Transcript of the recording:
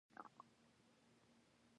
لاپه پښو کی دمستانو، ځنځیرونه سره شلیږی